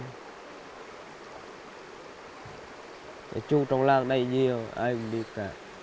nói chung trong làng này nhiều ai cũng đi cả